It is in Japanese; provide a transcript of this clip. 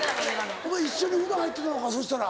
お前一緒に風呂入ってたのかそしたら。